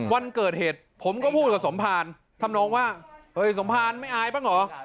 วันเกิดเหตุผมก็พูดกับสมภารทำนองว่าเฮ้ยสมภารไม่อายบ้างเหรอ